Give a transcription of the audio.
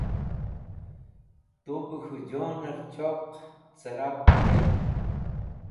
Tut bẽ k̃hũ jonẽr choq cẽrap tey.